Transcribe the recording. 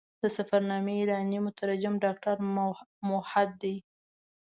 د سفرنامې ایرانی مترجم ډاکټر موحد دی.